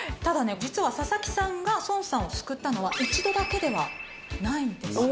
実は佐々木さんが孫さんを救ったのは１度だけではないんです。